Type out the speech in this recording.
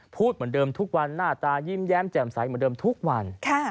พูดเหมือนเดิมทุกวันหน้าตายิ้มแย้มแจ่มใสเหมือนเดิมทุกวัน